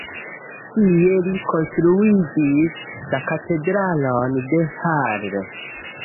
Tie li konstruigis la Katedralon de Halle.